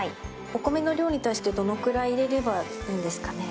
お米の量に対してどのくらい入れればいいんですかね？